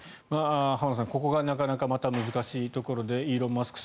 浜田さん、ここがなかなかまた難しいところでイーロン・マスク